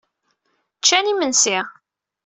Ččan imensi.